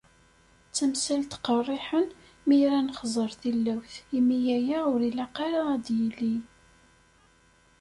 D tamsalt qerriḥen mi ara nexẓer tilawt, imi aya ur ilaq ara ad d-yili.